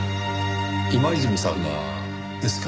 今泉さんがですか？